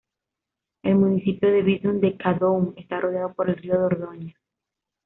El municipio de Buisson-de-Cadouin está rodeado por el río Dordoña.